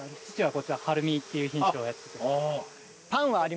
こっちは「はるみ」っていう品種をやってて。